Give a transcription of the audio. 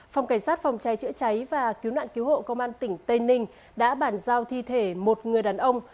phòng cảnh sát phòng cháy chữa cháy và cứu nạn cứu hộ công an tỉnh tây ninh đã bàn giao thi thể một người đàn ông